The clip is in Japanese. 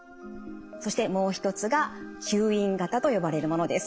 そしてもう一つが吸引型と呼ばれるものです。